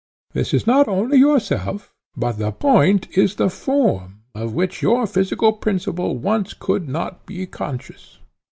That is not only yourself, but the point is the form, of which your physical principle once could not be conscious.